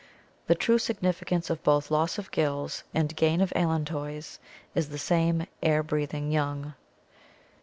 The true significance of both loss of gills and gain of allantois is the same — air b r e a t h i n g young.